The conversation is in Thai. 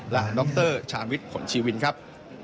และดรชาญวิทย์ผลชีวินครับ